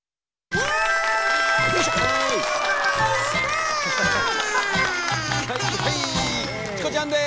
チコちゃんです。